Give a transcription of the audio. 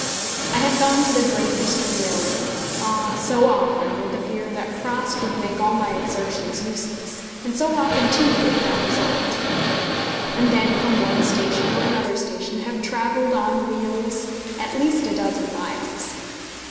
I have gone to the Great Eastern Railway, ah! so often with the fear that frost would make all my exertions useless, and so often too with that result! And then, from one station or another station, have travelled on wheels at least a dozen miles.